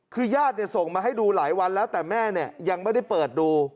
คือญาติส่งมาให้ดูหลายวันแล้วแต่แม่เนี่ยยังไม่ได้เปิดดู